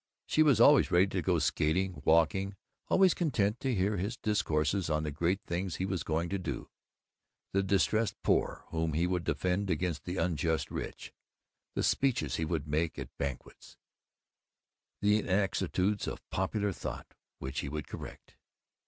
She was always ready to go skating, walking; always content to hear his discourses on the great things he was going to do, the distressed poor whom he would defend against the Unjust Rich, the speeches he would make at Banquets, the inexactitudes of popular thought which he would correct.